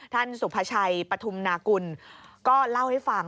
ท่านสุพชัยปทุมนากุลก็เล่าให้ฟัง